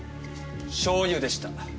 しょう油でした。